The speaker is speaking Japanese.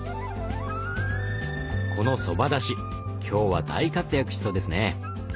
このそばだし今日は大活躍しそうですね。